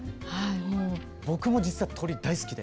僕も実は鳥大好きで。